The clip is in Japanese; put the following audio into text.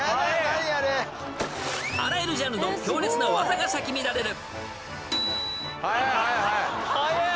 あらゆるジャンルの強烈な技が咲き乱れる。